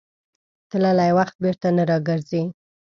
تللی وخت بېرته نه راګرځي.